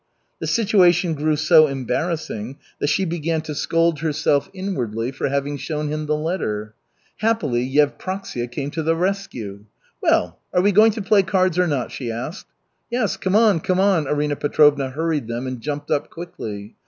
The situation grew so embarrassing that she began to scold herself inwardly for having shown him the letter. Happily Yevpraksia came to the rescue. "Well, are we going to play cards or not?" she asked. "Yes, come on, come on!" Arina Petrovna hurried them and jumped up quickly.